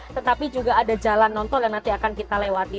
tetapi juga ada jalan non tol yang nanti akan kita lewati